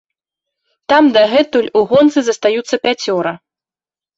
Там дагэтуль у гонцы застаюцца пяцёра.